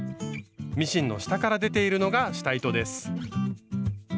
ミシンの下から出ているのが下糸です。